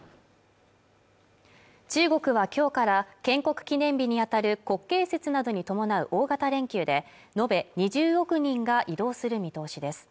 中国は今日から建国記念日に当たる国慶節などに伴う大型連休で延べ２０億人が移動する見通しです